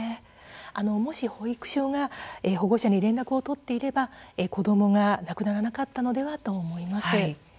もし、保育所が保護者に連絡を取っていれば子どもが亡くならなかったのではと思います。